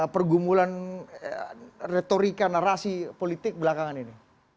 pergumulan retorika narasi politik belakangan ini